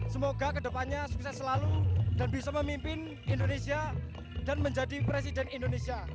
semoga ke depannya sukses selalu dan bisa memimpin indonesia dan menjadi presiden indonesia